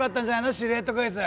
シルエットクイズ。